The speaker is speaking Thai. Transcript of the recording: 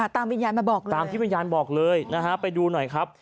ตามวิญญาณมาบอกเลยตามที่วิญญาณบอกเลยนะฮะไปดูหน่อยครับ